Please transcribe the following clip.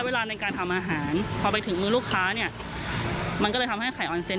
เวลาในการทำอาหารพอไปถึงมือลูกค้าเนี่ยมันก็เลยทำให้ไข่ออนเซน